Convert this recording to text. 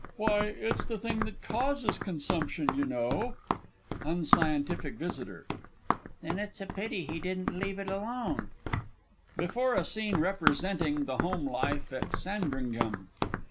Why, it's the thing that causes consumption, you know! UNSC. V. Then it's a pity he didn't leave it alone! _Before a Scene representing "The Home Life at Sandringham."